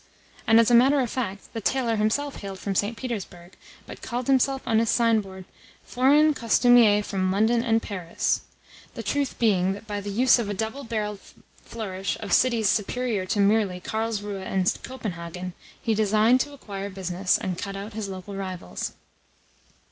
As a matter of fact, the tailor himself hailed from St. Petersburg, but called himself on his signboard "Foreign Costumier from London and Paris" the truth being that by the use of a double barrelled flourish of cities superior to mere "Karlsruhe" and "Copenhagen" he designed to acquire business and cut out his local rivals.